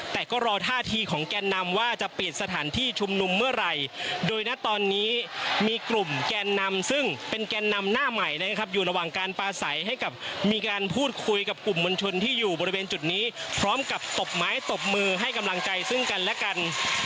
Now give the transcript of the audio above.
แต่ก็รอท่าทีของแกนนำว่าจะปิดสถานที่ชุมนุมเมื่อไหร่โดยณตอนนี้มีกลุ่มแกนนำซึ่งเป็นแกนนำหน้าใหม่นะครับอยู่ระหว่างการปลาใสให้กับมีการพูดคุยกับกลุ่มมวลชนที่อยู่บริเวณจุดนี้พร้อมกับตบไม้ตบมือให้กำลังใจซึ่งกันและกัน